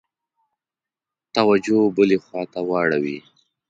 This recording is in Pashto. توجه بلي خواته واړوي.